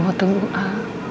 mau tunggu am